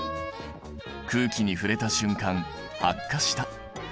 空気に触れた瞬間発火した。